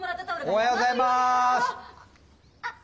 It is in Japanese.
おはようございます！